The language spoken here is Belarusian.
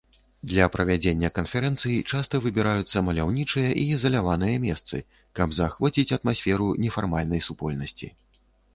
Для правядзення канферэнцый часта выбіраюцца маляўнічыя і ізаляваныя месцы, каб заахвоціць атмасферу нефармальнай супольнасці.